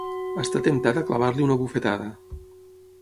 Està temptat a clavar-li una bufetada.